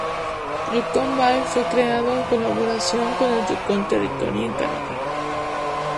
Yukon Bay fue creado en colaboración con el Yukon Territory en Canadá.